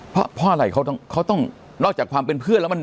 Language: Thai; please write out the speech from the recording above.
เพราะอะไรเขาต้องนอกจากความเป็นเพื่อนแล้วมัน